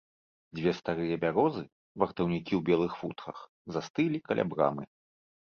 Дзве старыя бярозы, вартаўнікі ў белых футрах, застылі каля брамы.